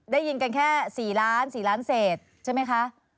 ได้ยินกันแค่๔ล้าน๔ล้านเศษใช่ไหมคะ